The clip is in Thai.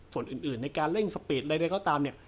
ส่วนอื่นในการเร่งสปีดอะไรใดก็ตามเนี่ย